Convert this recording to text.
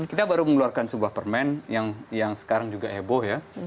kita baru mengeluarkan sebuah permen yang sekarang juga heboh ya